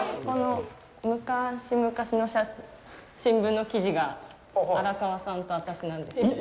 この昔々の新聞の記事が荒川さんと私なんです。